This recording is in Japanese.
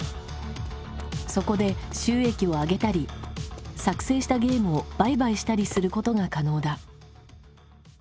そこで収益を上げたり作成したゲームを売買したりすることが可能だ。